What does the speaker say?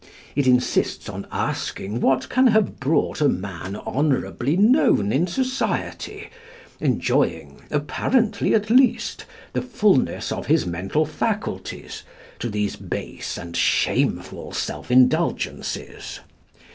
It insists on asking what can have brought a man honourably known in society, enjoying (apparently at least) the fulness of his mental faculties, to these base and shameful self indulgences.